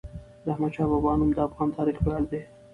د احمدشاه بابا نوم د افغان تاریخ ویاړ دی.